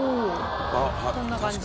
こんな感じ。